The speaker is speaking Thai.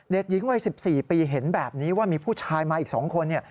เด็กหญิงวัย๑๔ปีเห็นแบบนี้ว่ามีผู้ชายมาอีก๒คน